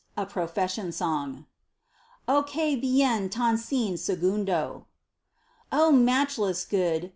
A PROFESSION SONG. ¡Oh qué bien tan sin segundo! Oh, matchless good